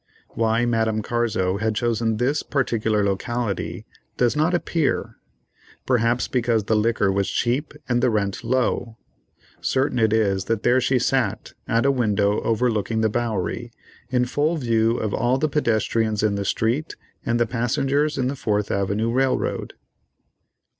Why Madame Carzo had chosen this particular locality, does not appear; perhaps because the liquor was cheap and the rent low. Certain it is that there she sat, at a window overlooking the Bowery, in full view of all the pedestrians in the street and the passengers in the 4th Avenue Railroad.